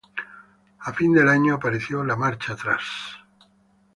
A fin del año apareció la marcha atrás.